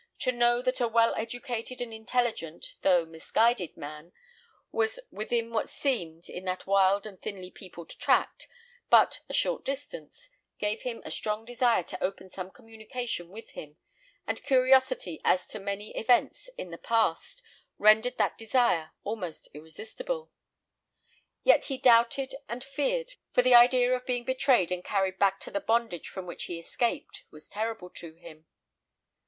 To know that a well educated and intelligent, though misguided man, was within what seemed, in that wild and thinly peopled tract, but a short distance, gave him a strong desire to open some communication with him, and curiosity as to many events in the past rendered that desire almost irresistible. Yet he doubted and feared, for the idea of being betrayed and carried back to the bondage from which he escaped, was terrible to him.